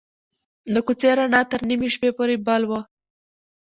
د کوڅې رڼا تر نیمې شپې پورې بل وه.